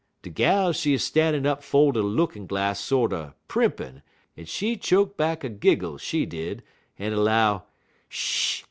"De gal, she 'uz stannin' up 'fo' de lookin' glass sorter primpin', en she choke back a giggle, she did, en 'low: "'Sh h h!